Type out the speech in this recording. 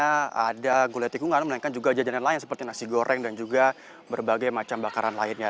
di daerah sini tidak hanya ada gulai tikungan melainkan juga jajanan lain seperti nasi goreng dan juga berbagai macam bakaran lainnya